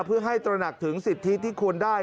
เพื่อให้ตระหนักถึงสิทธิที่ควรได้